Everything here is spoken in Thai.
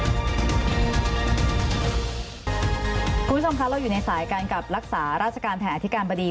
คุณผู้ชมคะเราอยู่ในสายกันกับรักษาราชการแทนอธิการบดี